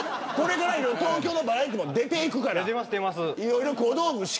東京のバラエティーも出ていくから。